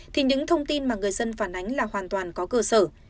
thì những thông tin mà người dân phản ánh là hoàn toàn có cơ sở